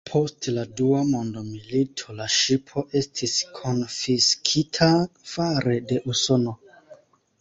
Post la Dua Mondmilito la ŝipo estis konfiskita fare de Usono.